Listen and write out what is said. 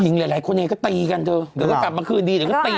หลายหลายคนเองก็ตีกันเธอเดี๋ยวก็กลับมาคืนดีเดี๋ยวก็ตี